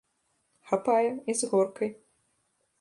Хапае, і з горкай.